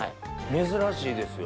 珍しいですよ。